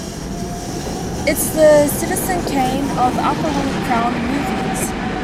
It's the "Citizen Kane" of Alcoholic Clown Movies!